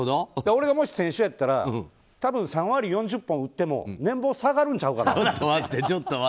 俺がもし選手やったら多分、３割４０本打っても年俸下がるんちゃうかなと。